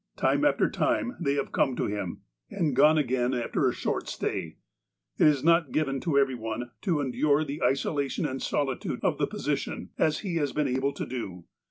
Time after time they have come to him, and gone again after a short stay. It is not given to every one to endure the isolation and solitude of the position, as he has been able to do.